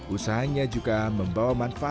usahanya juga membawa makhluk